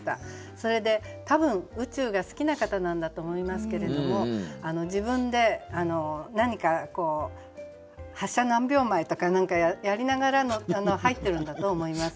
それで多分宇宙が好きな方なんだと思いますけれども自分で何か「発射何秒前」とかやりながら入ってるんだと思います。